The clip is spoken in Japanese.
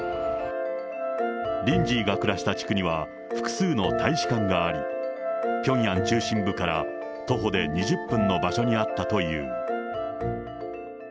リンジーが暮らした地区には複数の大使館があり、ピョンヤン中心部から徒歩で２０分の場所にあったという。